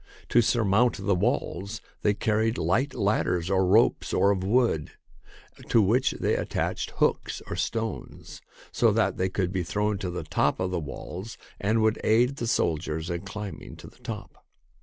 To surmount the walls they car ried light ladders of ropes or of wood, to which they attached hooks or stones, so that they could be thrown to the top of the walls and would aid the soldiers in climbing to the top.